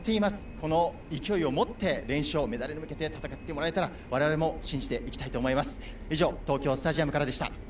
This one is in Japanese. この勢いを持って連勝メダルに向けて戦ってくれたらと我々も信じていきたいと思います。